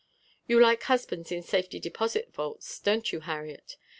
"You like husbands in safety deposit vaults, don't you, Harriet?"